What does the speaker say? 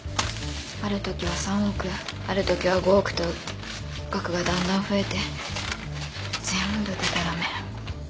あるときは３億あるときは５億と額がだんだん増えて全部でたらめ。